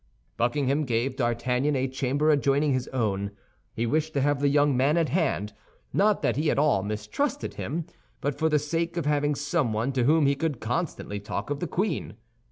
Buckingham gave D'Artagnan a chamber adjoining his own. He wished to have the young man at hand—not that he at all mistrusted him, but for the sake of having someone to whom he could constantly talk of the queen.